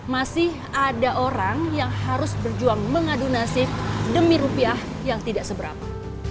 masih ada orang yang harus berjuang mengadu nasib demi rupiah yang tidak seberapa